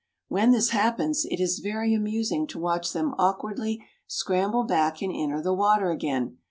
When this happens it is very amusing to watch them awkwardly scramble back and enter the water again.